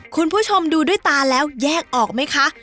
คุณผู้ชมดูด้วยตาแล้วแยกออกไหมคะ